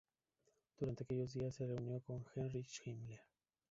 Durante aquellos días se reunió con Heinrich Himmler.